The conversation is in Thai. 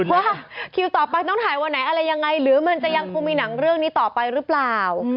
ว่าคิวต่อไปต้องถ่ายวันไหนอะไรยังไงหรือมันจะยังคงมีหนังเรื่องนี้ต่อไปหรือเปล่า